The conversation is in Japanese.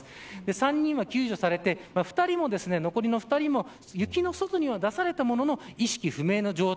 ３人は救助されて残りの２人も雪の外には出されたものの意識不明の状態。